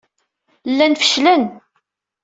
Llan feclen.